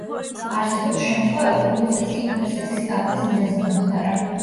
არსებობს შემთხვევები, როდესაც კიბერსექსი გაყრის მიზეზი გამხდარა.